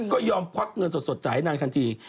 ก็ยอมควักเงินสดจ่ายให้นางทันที